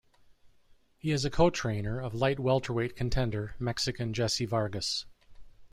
He is a co-trainer of light welterweight contender, Mexican Jesse Vargas.